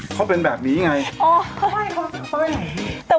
เขาเป็นแบบนี้ไงอ๋อไม่เขาเป็นแบบนี้